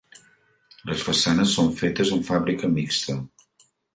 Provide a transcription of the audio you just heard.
Les façanes són fetes amb fàbrica mixta.